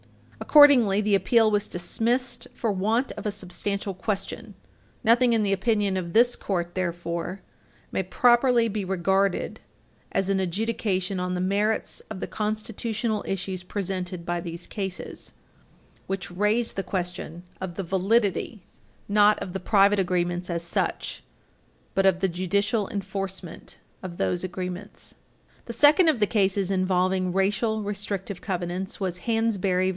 Accordingly, the appeal was dismissed for want of a substantial question. Nothing in the opinion of this Court, therefore, may properly be regarded as an adjudication on the merits of the constitutional issues presented by these cases, which raise the question of the validity not of the private agreements as such, but of the judicial enforcement of those agreements. The second of the cases involving racial restrictive covenants was Hansberry v.